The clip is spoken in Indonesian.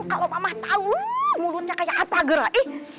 kalau mama tahu mulutnya kayak apa gerak ih